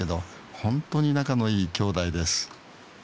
本当に仲のいい兄弟です。